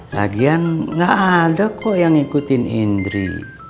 lagian gak ada kok yang ngikutin indri